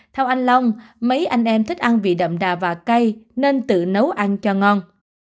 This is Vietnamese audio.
theo anh long mấy anh em thích ăn vị đậm đà và cay nên tự nấu ăn cho ngon